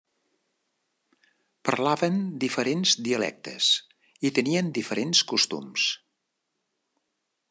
Parlaven diferents dialectes i tenien diferents costums.